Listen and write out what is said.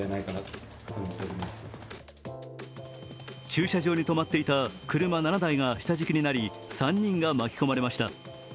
駐車場に止まっていた車７台が下敷きになり３人が巻き込まれました。